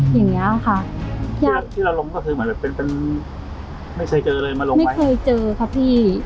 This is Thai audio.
อย่างเงี้ยค่ะญาติที่เราลงก็คือเหมือนแบบเป็นเป็นไม่เคยเจออะไรมาลงไม่เคยเจอค่ะพี่